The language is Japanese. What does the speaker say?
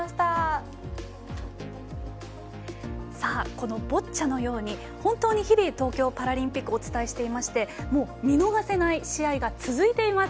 このボッチャのように本当に日々東京パラリンピックをお伝えしていまして見逃せない試合が続いています。